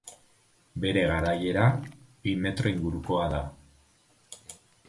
Bere garaiera, bi metro ingurukoa da.